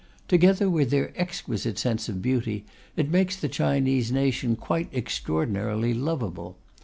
Together with their exquisite sense of beauty, it makes the Chinese nation quite extraordinarily lovable.